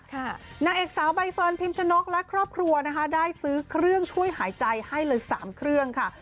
นางเอกสาวใบเฟิร์นพิมชนกและครอบครัวนะคะได้ซื้อเครื่องช่วยหายใจให้เลย๓เครื่องค่ะ